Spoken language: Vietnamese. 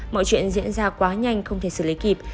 mọi chuyện diễn ra quá nhanh không thể xử lý kịp